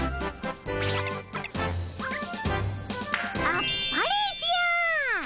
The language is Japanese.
あっぱれじゃ。